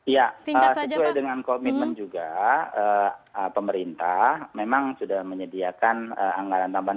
ya sesuai dengan komitmen juga pemerintah memang sudah menyediakan anggaran tambahan